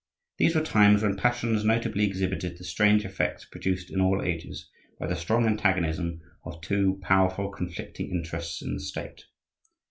These were times when passions notably exhibited the strange effects produced in all ages by the strong antagonism of two powerful conflicting interests in the State.